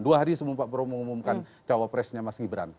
dua hari sebelum pak prabowo mengumumkan cawapresnya mas gibran